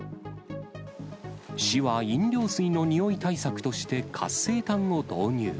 市は飲料水の臭い対策として活性炭を導入。